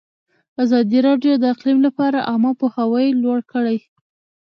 ازادي راډیو د اقلیم لپاره عامه پوهاوي لوړ کړی.